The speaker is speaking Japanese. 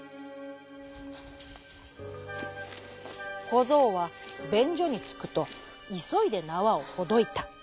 こぞうはべんじょにつくといそいでなわをほどいた。